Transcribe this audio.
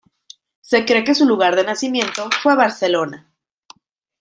Se cree que su lugar de nacimiento fue Barcelona.